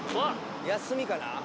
休みかな？